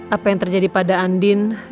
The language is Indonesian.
apa yang terjadi pada andin